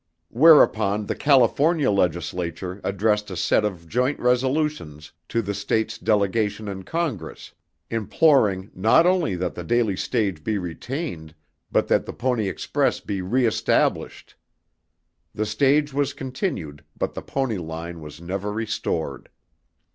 Whereupon the California legislature addressed a set of joint resolutions to the state's delegation in Congress, imploring not only that the Daily Stage be retained, but that the Pony Express be reestablished. The stage was continued but the pony line was never restored.